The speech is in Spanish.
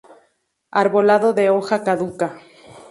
Arbolado de hoja caduca.